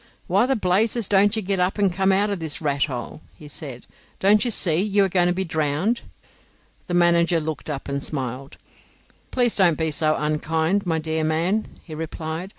"Why the blazes don't you get up and come out of this rat hole?" he said. "Don't you see you are going to be drowned?" The manager looked up and smiled. "Please, don't be so unkind, my dear man," he replied.